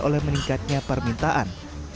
oleh meningkatnya permintaan